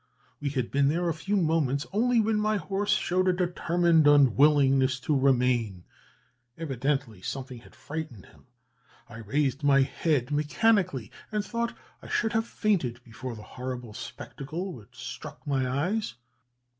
"We had been there a few moments only, when my horse showed a determined unwillingness to remain. Evidently something had frightened him. I raised my head mechanically, and thought I should have fainted before the horrible spectacle which struck my eyes.